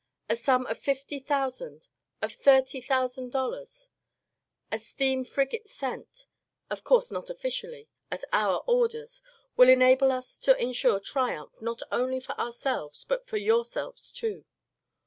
A sum of fifty thousand, of thirty thousand dollars — a steam frigate sent — of course not officially — at our orders — will enable us to ensure triumph not only for ourselves, but for yourselves too.